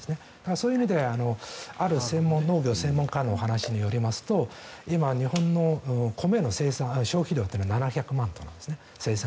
そういう意味である農業専門家の話によりますと今、日本の米の生産消費量というのが７００万なんです。